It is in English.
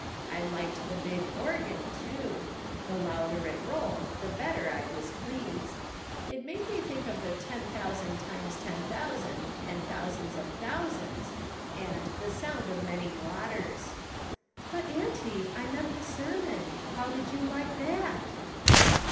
I liked the big organ, too. The louder it rolled the better I was pleased. It made me think of the 'ten thousand times ten thousand, and thousands of thousands/ and the ' sound of many waters.' " 126 MRS. SOLOMON SMITH LOOKING ON. " But, auntie, I meant tlie sermon ; how did you like that